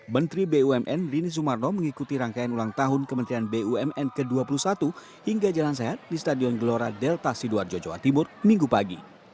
menteri bumn rini sumarno mengikuti rangkaian ulang tahun kementerian bumn ke dua puluh satu hingga jalan sehat di stadion gelora delta sidoarjo jawa timur minggu pagi